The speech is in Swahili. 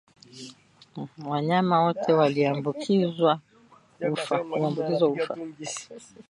Wanyama wote walioambukizwa hufa